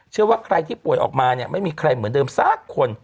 เชื่อว่าใครที่ป่วยออกมาเนี่ยไม่มีใครเหมือนเดิมสักคน